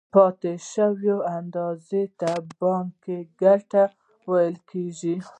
دې پاتې شوې اندازې ته بانکي ګټه ویل کېږي